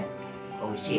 おいしい。